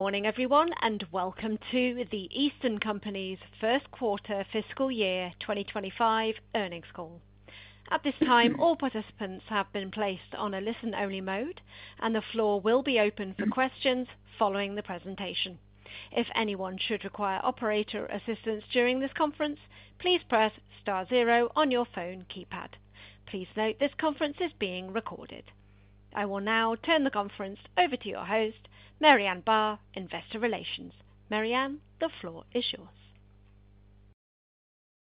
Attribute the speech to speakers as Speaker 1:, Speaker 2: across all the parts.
Speaker 1: Morning, everyone, and welcome to The Eastern Company's first quarter fiscal year 2025 earnings call. At this time, all participants have been placed on a listen-only mode, and the floor will be open for questions following the presentation. If anyone should require operator assistance during this conference, please press star zero on your phone keypad. Please note this conference is being recorded. I will now turn the conference over to your host, Marianne Barr, Investor Relations. Marianne, the floor is yours.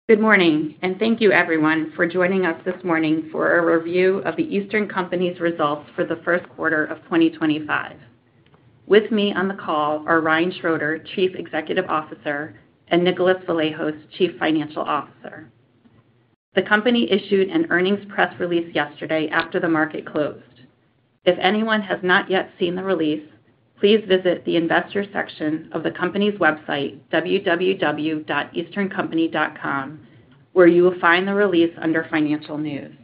Speaker 2: Good morning, and thank you, everyone, for joining us this morning for a review of The Eastern Company's results for the first quarter of 2025. With me on the call are Ryan Schroeder, Chief Executive Officer, and Nicholas Vlahos, Chief Financial Officer. The company issued an earnings press release yesterday after the market closed. If anyone has not yet seen the release, please visit the investor section of the company's website, www.easterncompany.com, where you will find the release under financial news.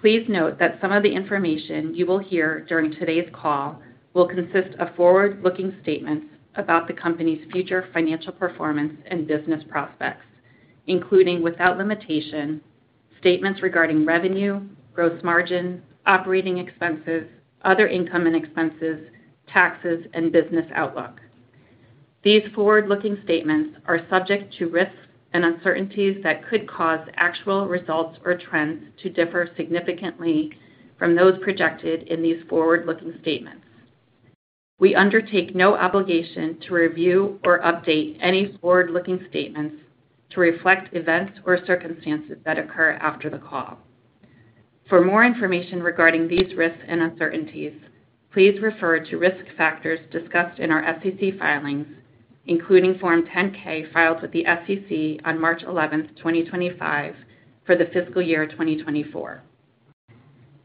Speaker 2: Please note that some of the information you will hear during today's call will consist of forward-looking statements about the company's future financial performance and business prospects, including without limitation statements regarding revenue, gross margin, operating expenses, other income and expenses, taxes, and business outlook. These forward-looking statements are subject to risks and uncertainties that could cause actual results or trends to differ significantly from those projected in these forward-looking statements. We undertake no obligation to review or update any forward-looking statements to reflect events or circumstances that occur after the call. For more information regarding these risks and uncertainties, please refer to risk factors discussed in our SEC Filings, including Form 10-K filed with the SEC on March 11, 2025, for the fiscal year 2024.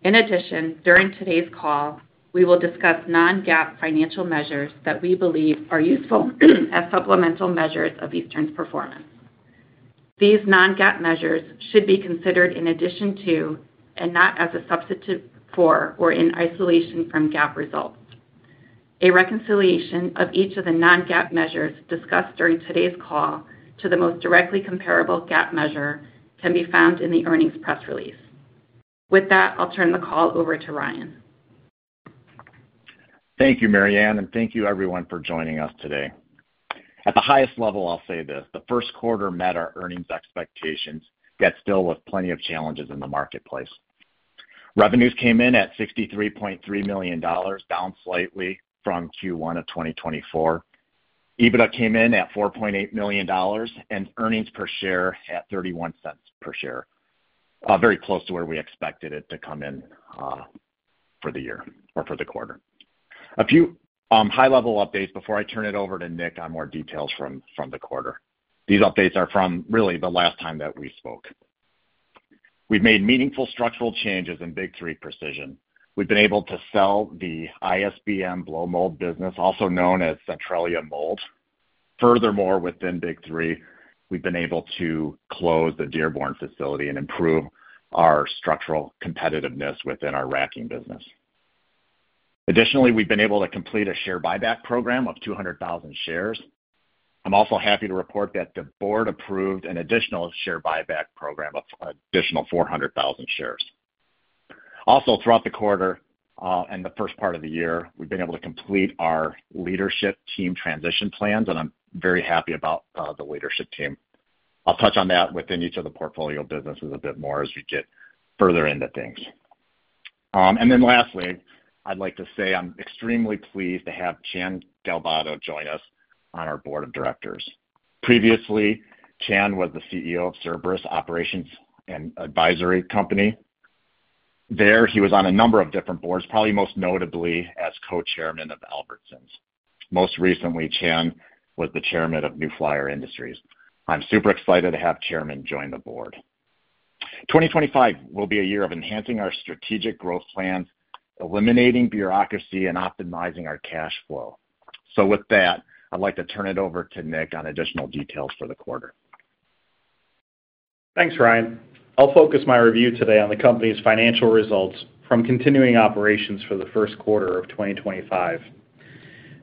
Speaker 2: In addition, during today's call, we will discuss non-GAAP financial measures that we believe are useful as supplemental measures of Eastern's performance. These non-GAAP measures should be considered in addition to and not as a substitute for or in isolation from GAAP results. A reconciliation of each of the non-GAAP measures discussed during today's call to the most directly comparable GAAP measure can be found in the earnings press release. With that, I'll turn the call over to Ryan.
Speaker 3: Thank you, Marianne, and thank you, everyone, for joining us today. At the highest level, I'll say this: the first quarter met our earnings expectations, yet still with plenty of challenges in the marketplace. Revenues came in at $63.3 million, down slightly from Q1 of 2024. EBITDA came in at $4.8 million and earnings per share at $0.31 per share, very close to where we expected it to come in for the year or for the quarter. A few high-level updates before I turn it over to Nick on more details from the quarter. These updates are from really the last time that we spoke. We've made meaningful structural changes in Big Three Precision. We've been able to sell the ISBM Blow Mold Business, also known as Centralea Mold. Furthermore, within Big Three, we've been able to close the Dearborn facility and improve our structural competitiveness within our racking business. Additionally, we've been able to complete a share buyback program of 200,000 shares. I'm also happy to report that the board approved an additional share buyback program of additional 400,000 shares. Throughout the quarter and the first part of the year, we've been able to complete our leadership team transition plans, and I'm very happy about the leadership team. I'll touch on that within each of the portfolio businesses a bit more as we get further into things. Lastly, I'd like to say I'm extremely pleased to have Chan Dalbato join us on our board of directors. Previously, Chan was the CEO of Cerberus Operations and Advisory Company. There, he was on a number of different boards, probably most notably as co-chairman of Albertsons. Most recently, Chan was the chairman of New Flyer Industries. I'm super excited to have chairman join the board. 2025 will be a year of enhancing our strategic growth plan, eliminating bureaucracy, and optimizing our cash flow. With that, I'd like to turn it over to Nick on additional details for the quarter.
Speaker 4: Thanks, Ryan. I'll focus my review today on the company's financial results from continuing operations for the first quarter of 2025.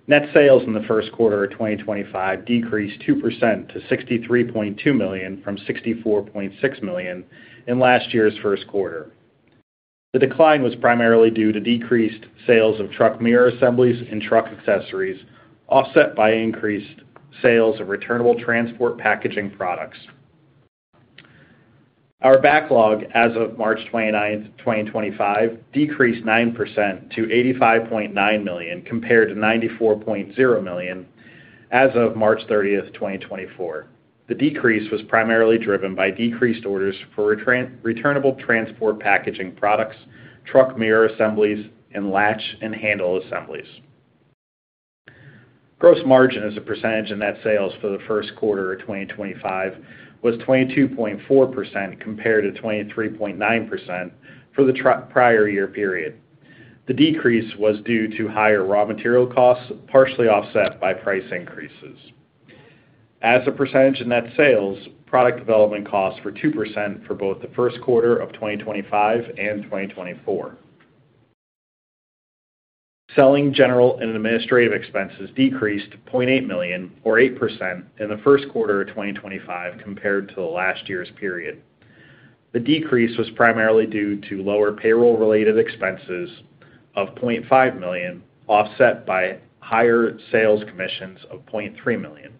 Speaker 4: Net sales in the first quarter of 2025 decreased 2% to $63.2 million from $64.6 million in last year's first quarter. The decline was primarily due to decreased sales of truck mirror assemblies and truck accessories, offset by increased sales of returnable transport packaging products. Our backlog as of March 29, 2025, decreased 9% to $85.9 million compared to $94.0 million as of March 30, 2024. The decrease was primarily driven by decreased orders for returnable transport packaging products, truck mirror assemblies, and latch and handle assemblies. Gross margin as a percentage in net sales for the first quarter of 2025 was 22.4% compared to 23.9% for the prior year period. The decrease was due to higher raw material costs, partially offset by price increases. As a percentage in net sales, product development costs were 2% for both the first quarter of 2025 and 2024. Selling, general and administrative expenses decreased to $0.8 million, or 8%, in the first quarter of 2025 compared to last year's period. The decrease was primarily due to lower payroll-related expenses of $0.5 million, offset by higher sales commissions of $0.3 million.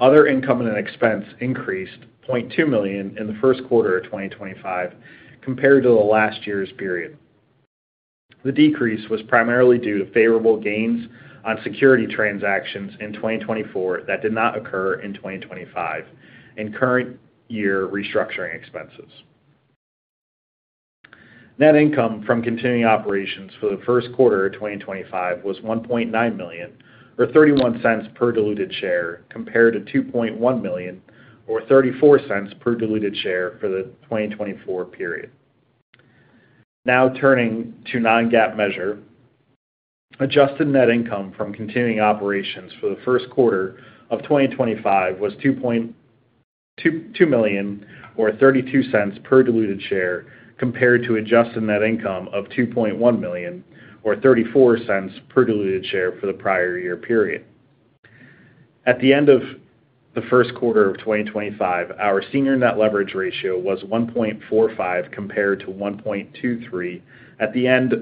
Speaker 4: Other income and expense increased to $0.2 million in the first quarter of 2025 compared to last year's period. The decrease was primarily due to favorable gains on security transactions in 2024 that did not occur in 2025 and current year restructuring expenses. Net income from continuing operations for the first quarter of 2025 was $1.9 million, or $0.31 per diluted share, compared to $2.1 million, or $0.34 per diluted share for the 2024 period. Now turning to non-GAAP measure, adjusted net income from continuing operations for the first quarter of 2025 was $2.2 million, or $0.32 per diluted share, compared to adjusted net income of $2.1 million, or $0.34 per diluted share for the prior year period. At the end of the first quarter of 2025, our senior net leverage ratio was 1.45 compared to 1.23 at the end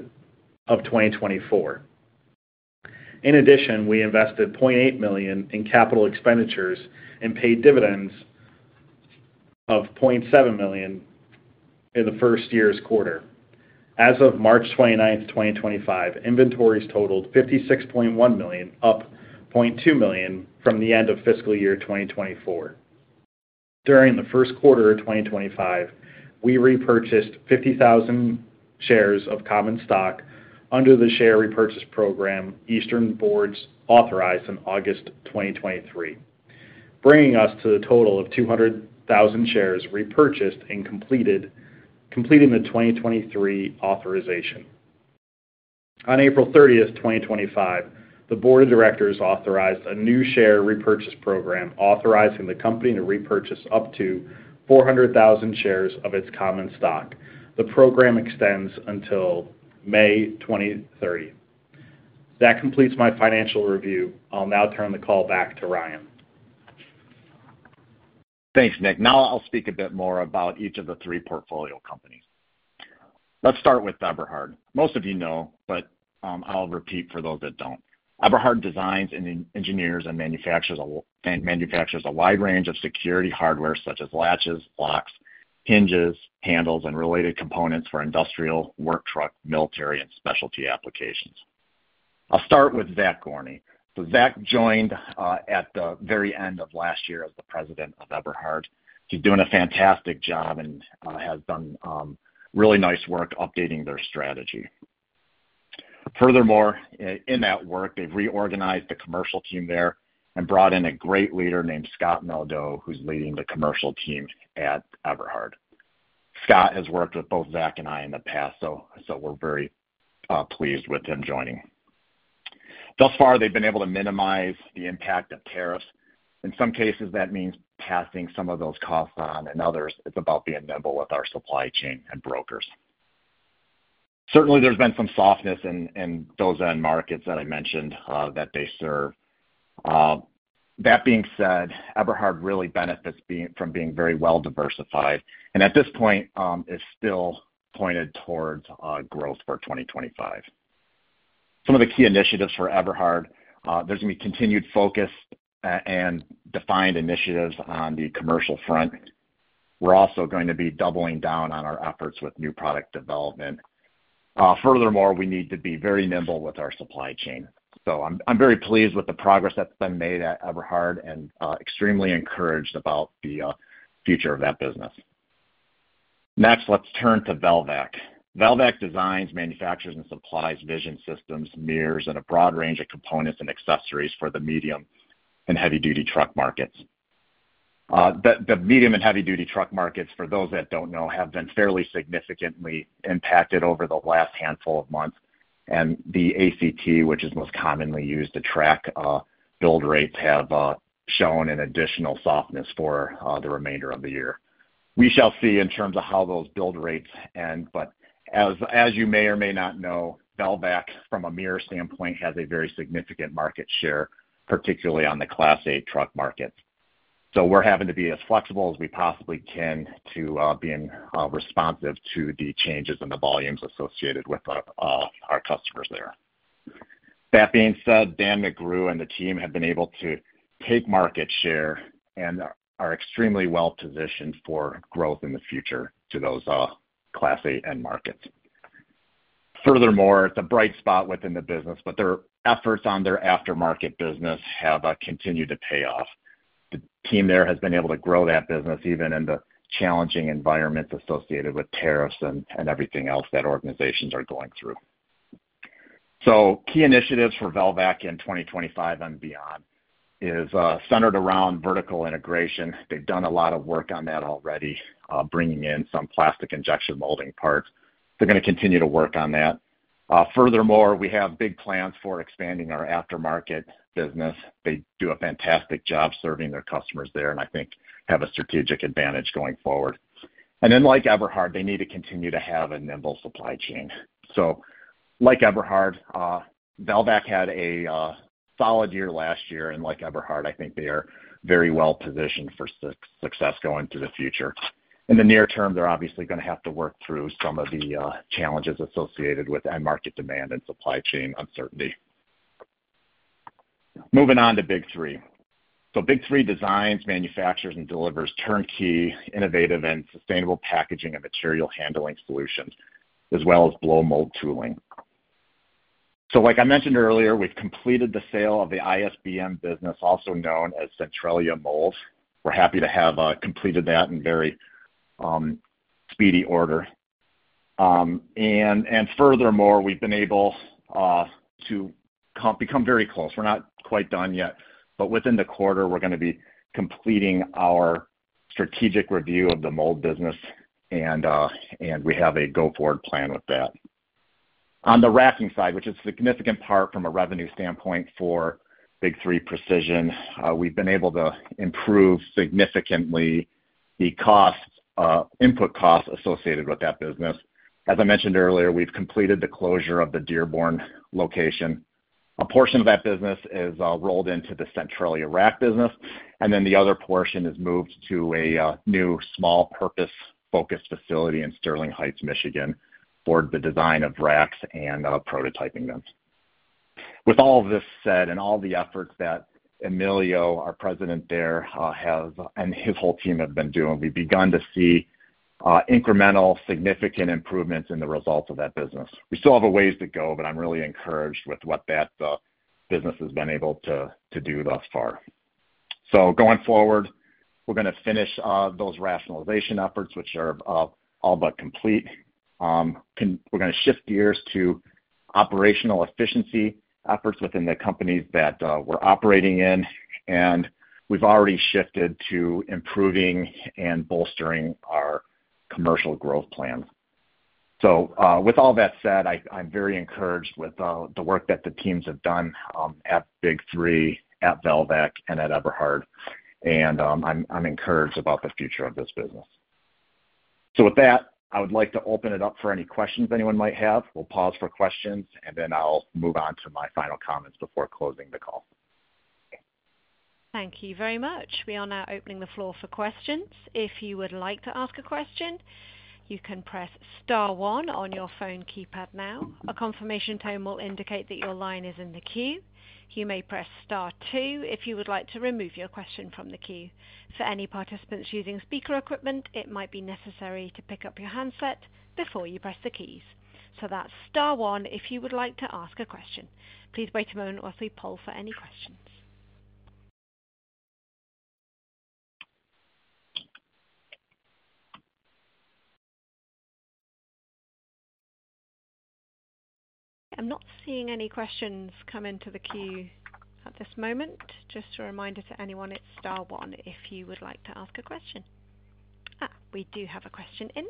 Speaker 4: of 2024. In addition, we invested $0.8 million in capital expenditures and paid dividends of $0.7 million in the first quarter. As of March 29, 2025, inventories totaled $56.1 million, up $0.2 million from the end of fiscal year 2024. During the first quarter of 2025, we repurchased 50,000 shares of common stock under the share repurchase program Eastern Board authorized in August 2023, bringing us to a total of 200,000 shares repurchased and completing the 2023 authorization. On April 30, 2025, the board of directors authorized a new share repurchase program authorizing the company to repurchase up to 400,000 shares of its common stock. The program extends until May 2030. That completes my financial review. I'll now turn the call back to Ryan.
Speaker 3: Thanks, Nick. Now I'll speak a bit more about each of the three portfolio companies. Let's start with Eberhard. Most of you know, but I'll repeat for those that don't. Eberhard designs and engineers and manufactures a wide range of security hardware such as latches, locks, hinges, handles, and related components for industrial, work truck, military, and specialty applications. I'll start with Vak Gorney. Vak joined at the very end of last year as the President of Eberhard. He's doing a fantastic job and has done really nice work updating their strategy. Furthermore, in that work, they've reorganized the commercial team there and brought in a great leader named Scott Mildow, who's leading the commercial team at Eberhard. Scott has worked with both Vak and I in the past, so we're very pleased with him joining. Thus far, they've been able to minimize the impact of tariffs. In some cases, that means passing some of those costs on, and others, it's about being nimble with our supply chain and brokers. Certainly, there's been some softness in those end markets that I mentioned that they serve. That being said, Eberhard really benefits from being very well diversified and at this point is still pointed towards growth for 2025. Some of the key initiatives for Eberhard, there's going to be continued focus and defined initiatives on the commercial front. We're also going to be doubling down on our efforts with new product development. Furthermore, we need to be very nimble with our supply chain. I'm very pleased with the progress that's been made at Eberhard and extremely encouraged about the future of that business. Next, let's turn to Velvac. Velvac designs, manufactures, and supplies vision systems, mirrors, and a broad range of components and accessories for the medium and heavy-duty truck markets. The medium and heavy-duty truck markets, for those that don't know, have been fairly significantly impacted over the last handful of months, and the ACT, which is most commonly used to track build rates, has shown an additional softness for the remainder of the year. We shall see in terms of how those build rates end, but as you may or may not know, Velvac from a mirror standpoint has a very significant market share, particularly on the Class Eight truck market. We are having to be as flexible as we possibly can to being responsive to the changes in the volumes associated with our customers there. That being said, Dan McGrew and the team have been able to take market share and are extremely well positioned for growth in the future to those Class A end markets. Furthermore, it's a bright spot within the business, but their efforts on their aftermarket business have continued to pay off. The team there has been able to grow that business even in the challenging environment associated with tariffs and everything else that organizations are going through. Key initiatives for Velvac in 2025 and beyond are centered around vertical integration. They've done a lot of work on that already, bringing in some plastic injection molding parts. They're going to continue to work on that. Furthermore, we have big plans for expanding our aftermarket business. They do a fantastic job serving their customers there and I think have a strategic advantage going forward. Like Eberhard, they need to continue to have a nimble supply chain. Like Eberhard, Velvac had a solid year last year, and like Eberhard, I think they are very well positioned for success going to the future. In the near term, they're obviously going to have to work through some of the challenges associated with end market demand and supply chain uncertainty. Moving on to Big Three. Big Three designs, manufactures, and delivers turnkey, innovative, and sustainable packaging and material handling solutions, as well as Blow Mold Tooling. Like I mentioned earlier, we've completed the sale of the ISBM business, also known as Centralea Mold. We're happy to have completed that in very speedy order. Furthermore, we've been able to become very close. We're not quite done yet, but within the quarter, we're going to be completing our strategic review of the mold business, and we have a go-forward plan with that. On the racking side, which is a significant part from a revenue standpoint for Big Three Precision, we've been able to improve significantly the input costs associated with that business. As I mentioned earlier, we've completed the closure of the Dearborn location. A portion of that business is rolled into the Centralea Rack business, and then the other portion is moved to a new small purpose-focused facility in Sterling Heights, Michigan, for the design of racks and prototyping them. With all of this said and all the efforts that Emilio, our president there, and his whole team have been doing, we've begun to see incremental significant improvements in the results of that business. We still have a ways to go, but I'm really encouraged with what that business has been able to do thus far. Going forward, we're going to finish those rationalization efforts, which are all but complete. We're going to shift gears to operational efficiency efforts within the companies that we're operating in, and we've already shifted to improving and bolstering our commercial growth plan. With all that said, I'm very encouraged with the work that the teams have done at Big Three, at Velvac, and at Eberhard, and I'm encouraged about the future of this business. With that, I would like to open it up for any questions anyone might have. We'll pause for questions, and then I'll move on to my final comments before closing the call.
Speaker 1: Thank you very much. We are now opening the floor for questions. If you would like to ask a question, you can press Star one on your phone keypad now. A confirmation tone will indicate that your line is in the queue. You may press Star two if you would like to remove your question from the queue. For any participants using speaker equipment, it might be necessary to pick up your handset before you press the keys. That is Star one if you would like to ask a question. Please wait a moment while we poll for any questions. I'm not seeing any questions come into the queue at this moment. Just a reminder to anyone, it is Star one if you would like to ask a question. We do have a question in,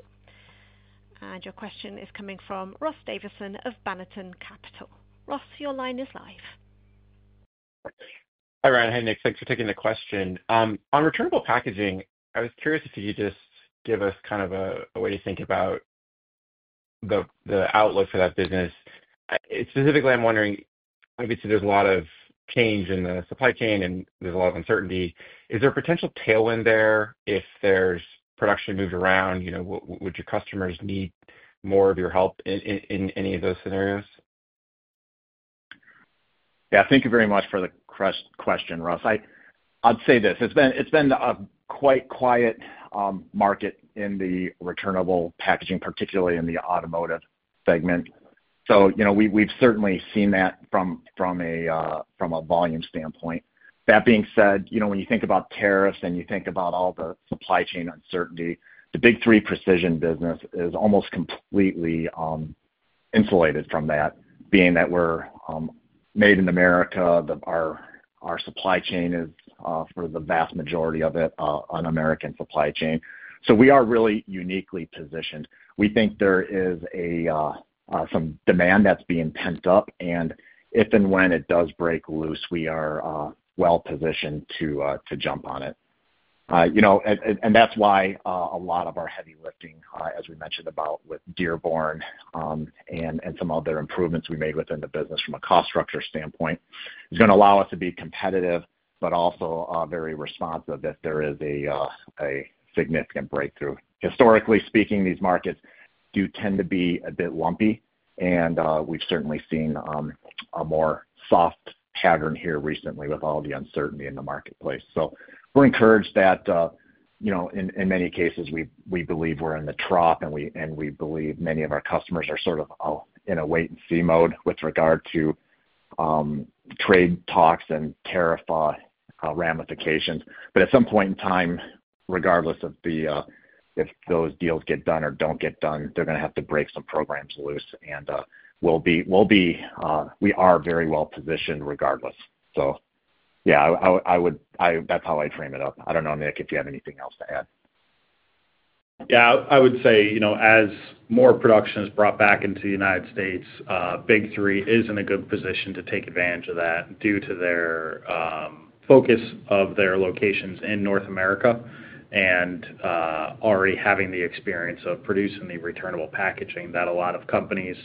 Speaker 1: and your question is coming from Ross Davisson of Bannerton Capital. Ross, your line is live.
Speaker 5: Hi, Ryan. Hey, Nick. Thanks for taking the question. On returnable packaging, I was curious if you could just give us kind of a way to think about the outlook for that business. Specifically, I'm wondering, obviously, there's a lot of change in the supply chain and there's a lot of uncertainty. Is there a potential tailwind there if there's production moved around? Would your customers need more of your help in any of those scenarios?
Speaker 3: Yeah, thank you very much for the question, Ross. I'd say this. It's been a quite quiet market in the returnable packaging, particularly in the automotive segment. We've certainly seen that from a volume standpoint. That being said, when you think about tariffs and you think about all the supply chain uncertainty, the Big Three Precision business is almost completely insulated from that, being that we're made in America. Our supply chain is, for the vast majority of it, an American supply chain. We are really uniquely positioned. We think there is some demand that's being pent up, and if and when it does break loose, we are well positioned to jump on it. That is why a lot of our heavy lifting, as we mentioned about with Dearborn and some other improvements we made within the business from a cost structure standpoint, is going to allow us to be competitive, but also very responsive if there is a significant breakthrough. Historically speaking, these markets do tend to be a bit lumpy, and we have certainly seen a more soft pattern here recently with all the uncertainty in the marketplace. We are encouraged that in many cases, we believe we are in the trough, and we believe many of our customers are sort of in a wait-and-see mode with regard to trade talks and tariff ramifications. At some point in time, regardless of if those deals get done or do not get done, they are going to have to break some programs loose, and we are very well positioned regardless. Yeah, that's how I'd frame it up. I don't know, Nick, if you have anything else to add.
Speaker 4: Yeah, I would say as more production is brought back into the United States, Big Three is in a good position to take advantage of that due to the focus of their locations in North America and already having the experience of producing the returnable packaging that a lot of companies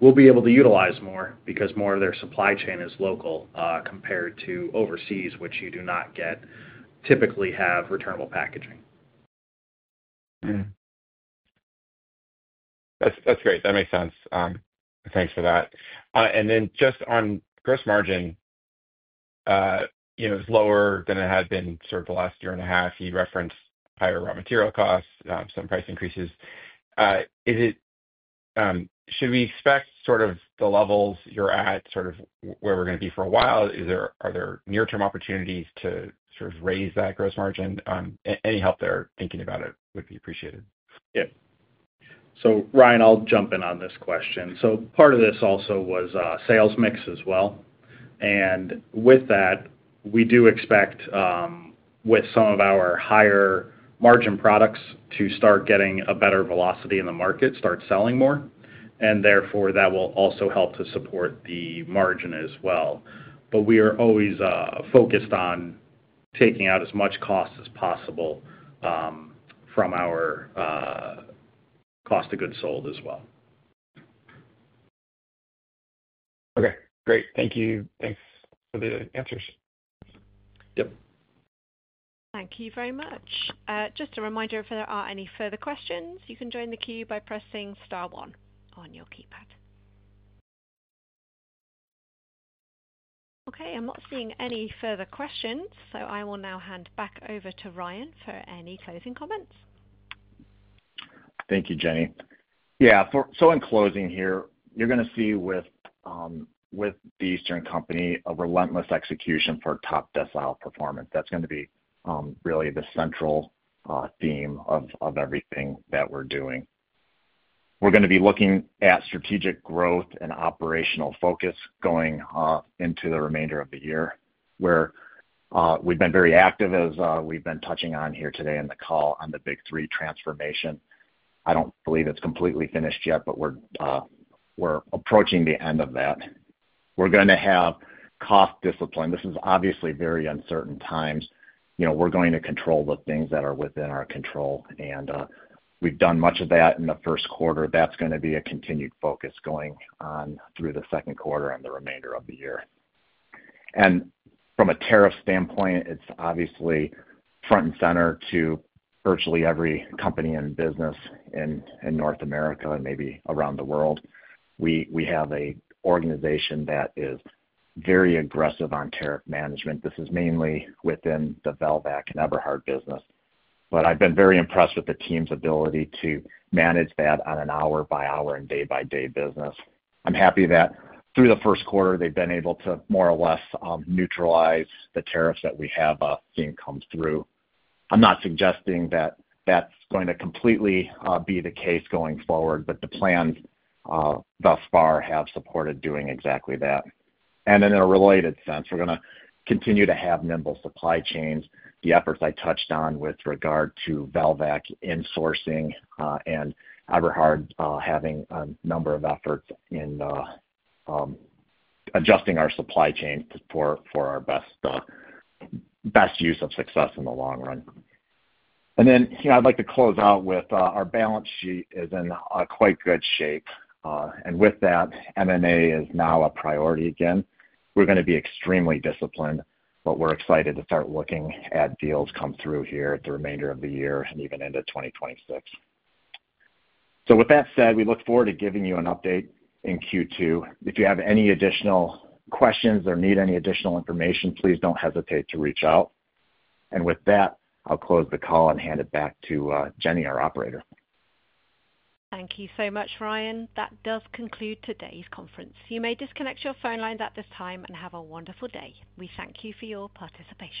Speaker 4: will be able to utilize more because more of their supply chain is local compared to overseas, which you do not typically have returnable packaging.
Speaker 5: That's great. That makes sense. Thanks for that. Just on gross margin, it's lower than it had been sort of the last year and a half. You referenced higher raw material costs, some price increases. Should we expect sort of the levels you're at, sort of where we're going to be for a while? Are there near-term opportunities to sort of raise that gross margin? Any help there thinking about it would be appreciated.
Speaker 4: Yeah. Ryan, I'll jump in on this question. Part of this also was sales mix as well. With that, we do expect with some of our higher margin products to start getting a better velocity in the market, start selling more, and therefore that will also help to support the margin as well. We are always focused on taking out as much cost as possible from our cost of goods sold as well.
Speaker 5: Okay. Great. Thank you. Thanks for the answers.
Speaker 4: Yep.
Speaker 1: Thank you very much. Just a reminder, if there are any further questions, you can join the queue by pressing Star 1 on your keypad. Okay, I'm not seeing any further questions, so I will now hand back over to Ryan for any closing comments.
Speaker 3: Thank you, Jenny. Yeah, so in closing here, you're going to see with The Eastern Company a relentless execution for top decile performance. That's going to be really the central theme of everything that we're doing. We're going to be looking at strategic growth and operational focus going into the remainder of the year, where we've been very active, as we've been touching on here today in the call, on the Big Three transformation. I don't believe it's completely finished yet, but we're approaching the end of that. We're going to have cost discipline. This is obviously very uncertain times. We're going to control the things that are within our control, and we've done much of that in the first quarter. That's going to be a continued focus going on through the second quarter and the remainder of the year. From a tariff standpoint, it's obviously front and center to virtually every company and business in North America and maybe around the world. We have an organization that is very aggressive on tariff management. This is mainly within the Velvac and Eberhard business. I've been very impressed with the team's ability to manage that on an hour-by-hour and day-by-day basis. I'm happy that through the first quarter, they've been able to more or less neutralize the tariffs that we have seen come through. I'm not suggesting that that's going to completely be the case going forward, but the plans thus far have supported doing exactly that. In a related sense, we're going to continue to have nimble supply chains, the efforts I touched on with regard to Velvac's insourcing and Eberhard having a number of efforts in adjusting our supply chain for our best use of success in the long run. I would like to close out with our balance sheet is in quite good shape. With that, M&A is now a priority again. We're going to be extremely disciplined, but we're excited to start looking at deals come through here the remainder of the year and even into 2026. We look forward to giving you an update in Q2. If you have any additional questions or need any additional information, please don't hesitate to reach out. With that, I'll close the call and hand it back to Jenny, our operator.
Speaker 1: Thank you so much, Ryan. That does conclude today's conference. You may disconnect your phone lines at this time and have a wonderful day. We thank you for your participation.